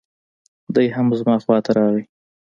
دی هم زما خواته راغی.